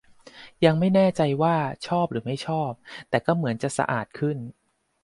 ยังไม่แน่ใจว่าชอบหรือไม่ชอบ แต่ก็เหมือนจะสะอาดขึ้น